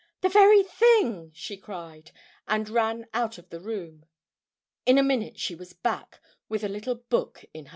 "The very thing!" she cried, and ran out of the room. In a minute she was back, with a little book in her hands.